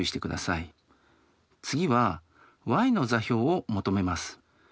次はｙの座標を求めます。